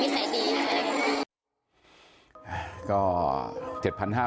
เขาเป็นคนดีคนวิสัยดี